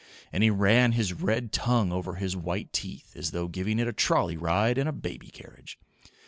and he ran his red tongue over his white teeth as though giving it a trolley ride in a baby carriage.